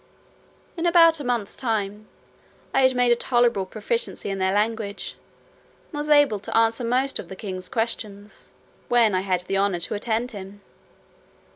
In about a month's time, I had made a tolerable proficiency in their language, and was able to answer most of the king's questions, when I had the honour to attend him.